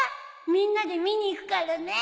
みんなで見に行くからね。